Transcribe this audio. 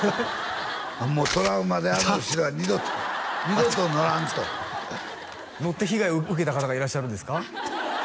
もうトラウマであの後ろは二度と二度と乗らんと乗って被害を受けた方がいらっしゃるんですか？